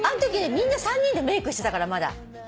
みんな３人でメイクしてたからまだ。